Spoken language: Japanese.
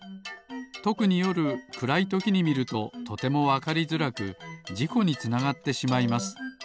とくによるくらいときにみるととてもわかりづらくじこにつながってしまいます。